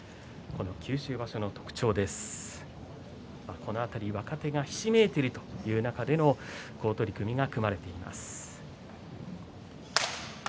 この辺り若手がひしめいているという中での好取組が組まれています。